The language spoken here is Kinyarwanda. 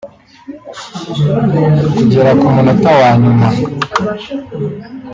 kugera ku munota wa nyuma”